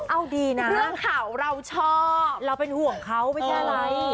เอาดีนะเรื่องข่าวเราชอบเราเป็นห่วงเขาไม่ใช่อะไร